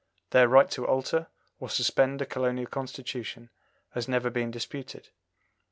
Their right to alter or suspend a colonial Constitution has never been disputed.